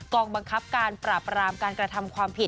องบังคับการปราบรามการกระทำความผิด